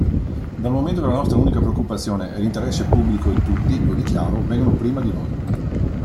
Dal momento che la nostra unica preoccupazione è l'interesse pubblico e tutti, lo dichiaro, vengono prima di noi.